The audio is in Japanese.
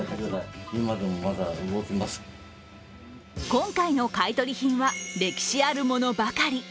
今回の買い取り品は歴史あるものばかり。